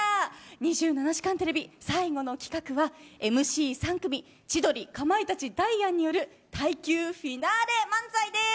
２７時間テレビ、最後の企画はＭＣ３組千鳥、かまいたちダイアンによる耐久フィナーレ漫才です。